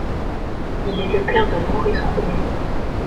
Il est le père de Maurice Ronet.